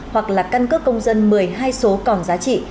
hoặc là căn cước công dân một mươi hai số còn giá trị